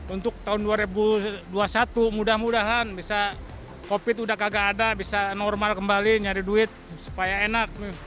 untuk tahun dua ribu dua puluh satu mudah mudahan bisa covid udah kagak ada bisa normal kembali nyari duit supaya enak